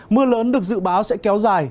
mưa lớn được dự báo sẽ kéo dài